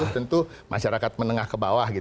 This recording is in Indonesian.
tentu masyarakat menengah ke bawah